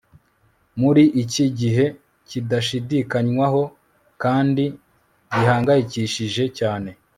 muri iki gihe kidashidikanywaho kandi gihangayikishije cyane